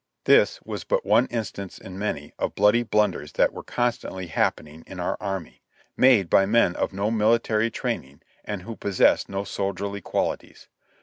This was but one instance in many, of bloody blunders that were constantly happening in our army, made by men of no mili tary training and who possessed no soldierly qualities.